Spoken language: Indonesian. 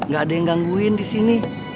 gak ada yang gangguin disini